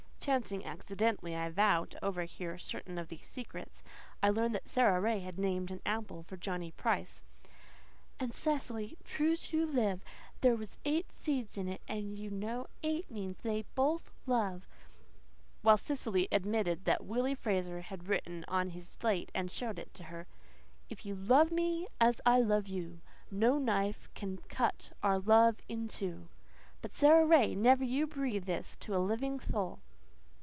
Chancing accidentally, I vow to overhear certain of these secrets, I learned that Sara Ray had named an apple for Johnny Price "and, Cecily, true's you live, there was eight seeds in it, and you know eight means 'they both love' " while Cecily admitted that Willy Fraser had written on his slate and showed it to her, "If you love me as I love you, No knife can cut our love in two" "but, Sara Ray, NEVER you breathe this to a living soul."